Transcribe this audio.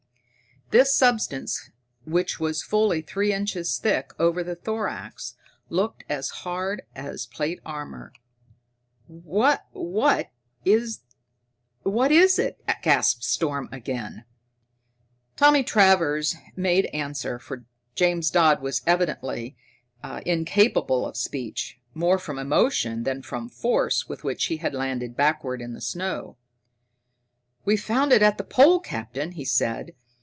This substance, which was fully three inches thick over the thorax, looked as hard as plate armor. "What is it?" gasped Storm again. Tommy Travers made answer, for James Dodd was evidently incapable of speech, more from emotion than from the force with which he had landed backward in the snow. "We found it at the pole, Captain," he said.